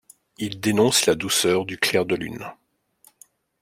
Ils dénoncent la douceur du clair de lune.